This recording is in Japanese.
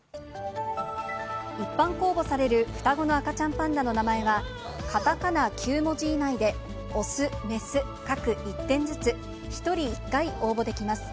一般公募される双子の赤ちゃんパンダの名前は、かたかな９文字以内で、雄、雌、各１点ずつ、１人１回応募できます。